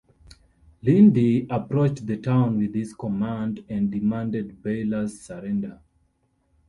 Lynde approached the town with his command and demanded Baylor's surrender.